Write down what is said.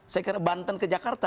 saya kira banten ke jakarta